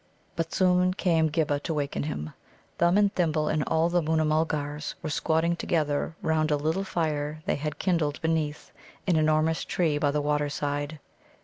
But soon came Ghibba to waken him. Thumb and Thimble and all the Moona mulgars were squatting together round a little fire they had kindled beneath an enormous tree by the water side.